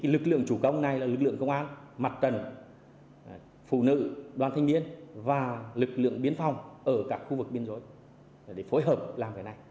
lực lượng chủ công này là lực lượng công an mặt trần phụ nữ đoàn thanh biến và lực lượng biến phong ở các khu vực biên giới để phối hợp làm cái này